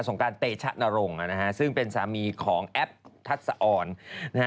สงการเตชะนรงค์ซึ่งเป็นสามีของแอปทัศน์อ่อน